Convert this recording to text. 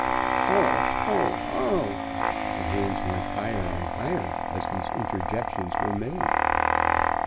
"Oh, oh, oh!" The hands went higher and higher as these interjections were made.